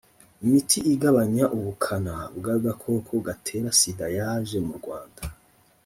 imiti igabanya ubukana bw’agakoko gatera sida yaje mu rwanda